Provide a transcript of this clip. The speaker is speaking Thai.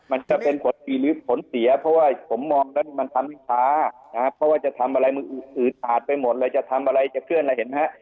มันจะเป็นผลผีหรือผลเสียเพราะว่าผมมองมันทำไม่ค้าแบบว่าทำอะไรจะอืดหืดออดไปหมดเลยจะเขื่อนอะไรเห็นไหม